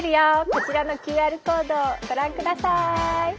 こちらのＱＲコードをご覧ください。